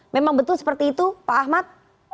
memang betul seperti itu pak ahmad